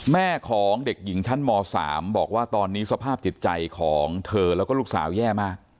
แม่ของเด็กหญิงชั้นม๓บอกว่าตอนนี้สภาพจิตใจของเธอแล้วก็ลูกสาวแย่มาก